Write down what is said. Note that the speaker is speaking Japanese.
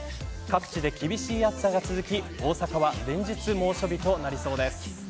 各地で厳しい暑さが続き大阪は連日猛暑日となりそうです。